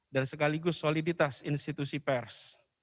dan sekaligus soliditas institusi pers